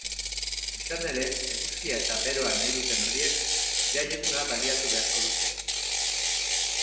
Izan ere, eguzkia eta beroa nahi duten horiek jaieguna baliatu beharko dute.